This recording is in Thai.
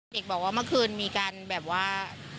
เด็กบอกว่าเมื่อคืนมีการแบบว่า